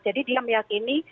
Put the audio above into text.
jadi dia meyakini